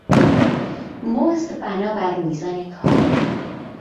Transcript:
مزد بنابر میزان کار